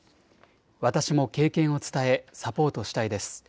私も経験を伝えサポートしたいです。